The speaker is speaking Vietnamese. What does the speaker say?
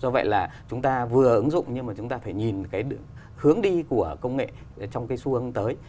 do vậy là chúng ta vừa ứng dụng nhưng mà chúng ta phải nhìn cái hướng đi của công nghệ trong cái xu hướng tới